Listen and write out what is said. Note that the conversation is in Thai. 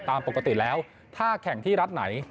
ตามปกติแล้วถ้าแข่งที่รัฐไหน